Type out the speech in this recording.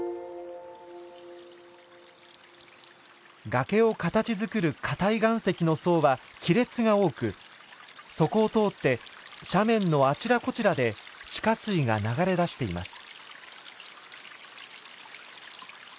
崖を形づくる硬い岩石の層は亀裂が多くそこを通って斜面のあちらこちらで地下水が流れ出しています。